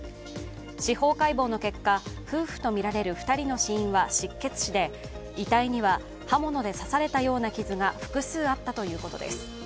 司法解剖の結果、夫婦とみられる２人の死因は失血死で遺体には刃物で刺されたような傷が複数あったということです。